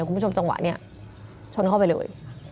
คุณผู้ชมจังหวะนี้ชนเข้าไปเลย